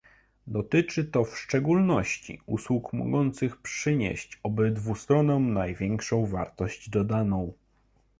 Dotyczy to w szczególności usług mogących przynieść obydwu stronom największą wartość dodaną